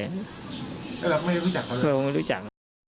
แล้วไม่รู้จักเขาเลยไม่รู้จัก